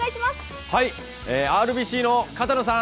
ＲＢＣの片野さーん！